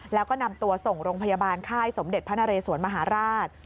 แล้วก็นำตัวส่งโรงพยาบาลค่ายสมเด็จพระนเรสวนมหาราช